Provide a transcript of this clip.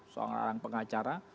seorang orang pengacara